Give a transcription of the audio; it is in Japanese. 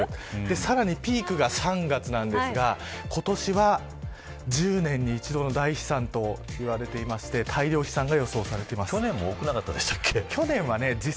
さらにピークが３月なんですが今年は１０年に一度の大飛散と言われていまして今日は強風に注意です。